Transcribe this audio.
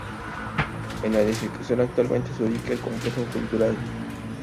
En la edificación actualmente se ubica el Complejo Cultural.